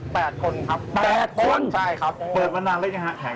แต่ว่านานแล้วยังไงครับแผงเนี่ย